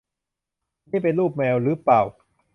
นี่เป็นรูปแมวรึเปล่า